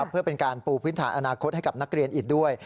เพื่อเป็นการปูพื้นฐานอนาคตให้กับนักเรียนอีกด้วย